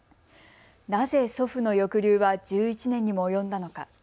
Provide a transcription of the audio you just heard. なぜ祖父の抑留は１１年にも及んだのか。